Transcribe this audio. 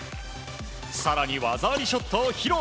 更に技ありショットを披露。